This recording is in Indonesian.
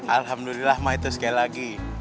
alhamdulillah mah itu sekali lagi